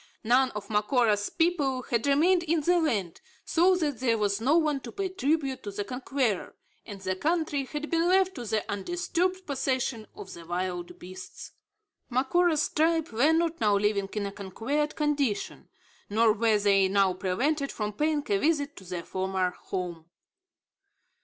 None of Macora's people had remained in the land, so that there was no one to pay tribute to the conqueror; and the country had been left to the undisturbed possession of the wild beasts. Macora's tribe were not now living in a conquered condition; nor were they now prevented from paying a visit to their former home.